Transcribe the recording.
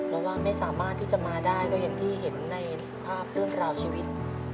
แล้วว่าไม่สามารถที่จะมาได้ก็อย่างที่เห็นในภาพเรื่องราวชีวิต